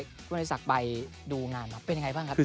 ไม่ได้สักใบดูงานมาเป็นอย่างไรบ้างครับ